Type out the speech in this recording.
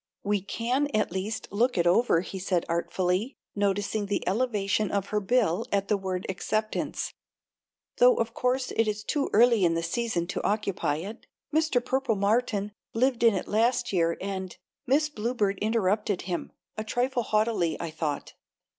"We can at least look it over," he said artfully, noticing the elevation of her bill at the word "acceptance," "though of course it is too early in the season to occupy it. Mr. Purple Martin lived in it last year and " Miss Bluebird interrupted him, a trifle haughtily, I thought.